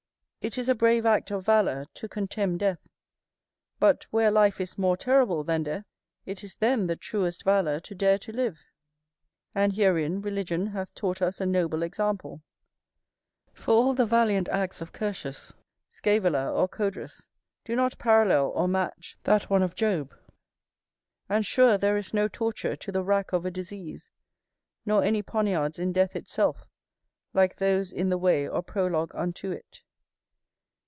It is a brave act of valour to contemn death; but, where life is more terrible than death, it is then the truest valour to dare to live: and herein religion hath taught us a noble example; for all the valiant acts of Curtius, Scævola, or Codrus, do not parallel, or match, that one of Job; and sure there is no torture to the rack of a disease, nor any poniards in death itself, like those in the way or prologue unto it.